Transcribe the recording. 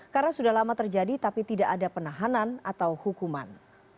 karena sudah lama terjadi tapi tidak ada penahanan atau hukuman